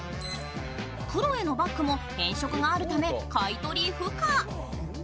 クロエのバッグも変色があるため買い取り不可。